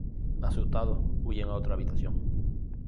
Asustados, huyen a otra habitación.